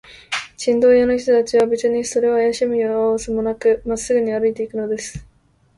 チンドン屋の人たちは、べつにそれをあやしむようすもなく、まっすぐに歩いていくのです。